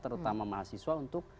terutama mahasiswa untuk